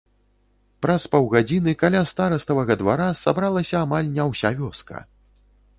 Праз паўгадзіны каля стараставага двара сабралася амаль не ўся вёска.